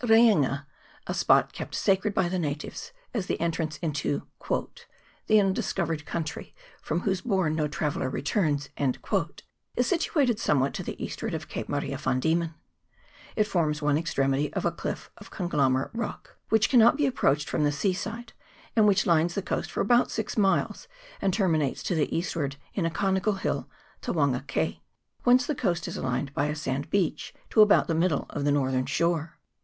Reinga, a spot kept sacred by the natives, as the entrance into " the undiscover'd country, from whose bourn no traveller returns," is situated some what to the eastward of Cape Maria van Diemen ; 200 REINGA. [PART n. it forms one extremity of a cliff of conglomerate rock, which cannot be approached from the sea side, and which lines the coast for about six miles, and terminates to the eastward in a conical hill, Te wanga ke, whence the coast is lined by a sand beach to about the middle of the northern shore.